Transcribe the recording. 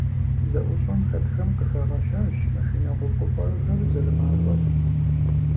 ЗэӀущӀэм хэтхэм къыхагъэщащ машинэ гъэувыпӀэхэр зэрымащӀэр.